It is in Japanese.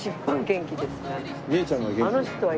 あの人は。